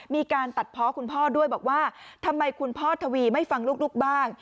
มีการตัดเพาะคุณพ่อด้วยบอกว่าทำไมคุณพ่อทวีไม่ฟังลูกบ้าง